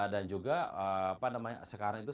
dan juga sekarang itu